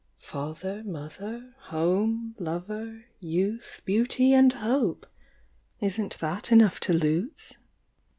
"Father, mother, home, lover, youth, beauty and hope! Isn't that enough to lose?"